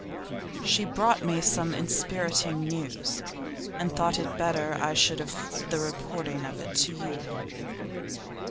'She brought me some enspiriting news, and thought it better I should have the reporting of it to you.